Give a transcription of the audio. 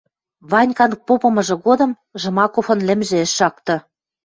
Ванькан попымыжы годым Жмаковын лӹмжӹ ӹш шакты.